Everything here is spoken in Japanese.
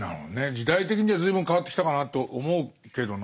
時代的には随分変わってきたかなと思うけどな。